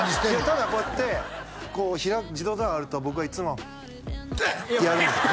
ただこうやってこう自動ドアがあると僕はいっつもドゥン！ってやるんですよ